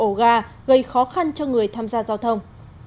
tuyến đường này xuất hiện nhiều ổ gà gây khó khăn cho người tham gia giao thông